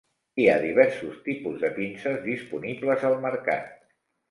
Hi ha diversos tipus de pinces disponibles al mercat.